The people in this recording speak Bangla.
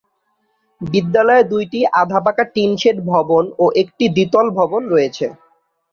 বিদ্যালয়ে দুইটি আধা পাকা টিনশেড ভবন ও একটি দ্বিতল ভবন রয়েছে।